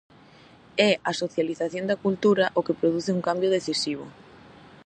É a socialización da cultura o que produce un cambio decisivo.